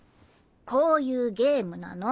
こういうゲームなの。